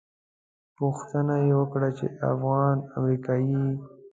پوښتنه یې وکړه چې افغان امریکایي یې.